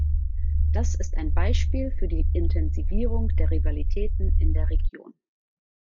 Das ist ein Beispiel für die Intensivierung der Rivalitäten in der Region.